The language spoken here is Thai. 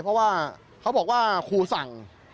เพราะว่าเขาบอกว่าครูสั่ง